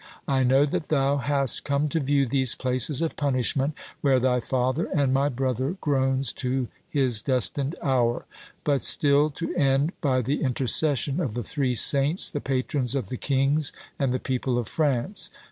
I know that thou hast come to view these places of punishment, where thy father and my brother groans to his destined hour: but still to end by the intercession of the three saints, the patrons of the kings and the people of France.